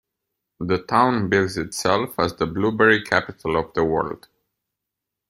The town bills itself as the "Blueberry Capital of the World".